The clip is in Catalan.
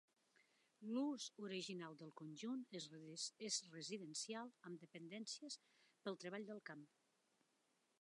L'ús original del conjunt és residencial amb dependències pel treball del camp.